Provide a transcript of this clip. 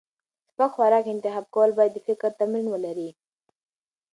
سپک خوراک انتخاب کول باید د فکر تمرین ولري.